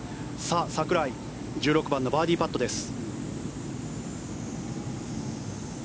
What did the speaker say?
櫻井１６番のバーディーパットです。